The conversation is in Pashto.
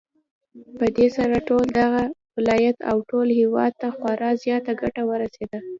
پدې سره ټول دغه ولايت او ټول هېواد ته خورا زياته گټه ورسېده